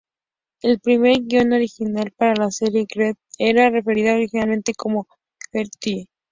En el primer guion original para la serie, Gert era referida originalmente como Gertie.